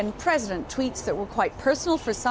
tweet nya yang cukup pribadi bagi beberapa orang